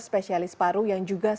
seperti di perkantoran